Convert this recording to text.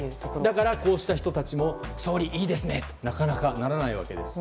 だから、こうした人たちも総理、いいですねってなかなか、ならないわけです。